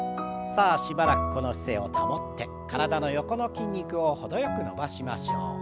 さあしばらくこの姿勢を保って体の横の筋肉を程よく伸ばしましょう。